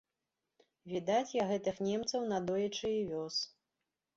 Відаць, я гэтых немцаў надоечы і вёз.